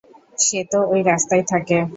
সে তো ঐ রাস্তায় থাকে।